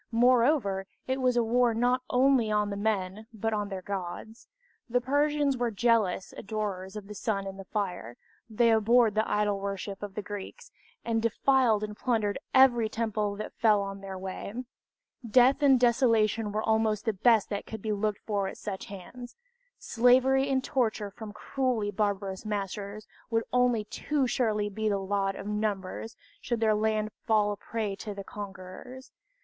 Moreover, it was a war not only on the men but on their gods. The Persians were zealous adorers of the sun and the fire, they abhorred the idol worship of the Greeks, and defiled and plundered every temple that fell in their way. Death and desolation were almost the best that could be looked for at such hands slavery and torture from cruelly barbarous masters would only too surely be the lot of numbers, should their land fall a prey to the conquerors.